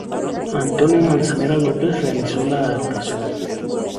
Antonio Manzanera López realizó la adaptación.